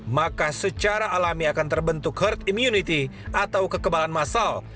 maka secara alami akan terbentuk herd immunity atau kekebalan masal